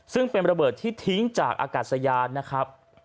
ซึ่งเป็นระเบิดที่ทิ้งจากอากาศยานนะครับ